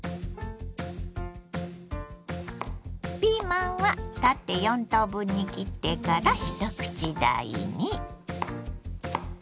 ピーマンは縦４等分に切ってから一口大に。